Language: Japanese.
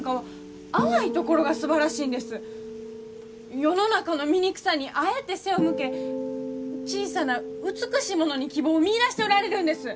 世の中の醜さにあえて背を向け小さな美しいものに希望を見いだしておられるんです！